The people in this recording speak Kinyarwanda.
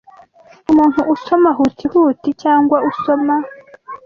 umuntu usoma hutihuti cyangwa usoma